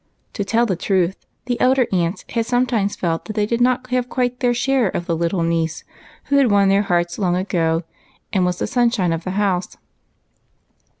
To tell the truth, the elder aunts had sometimes felt that they did not have quite their share of the little niece who had won their hearts long ago, and was the sunshine of the house.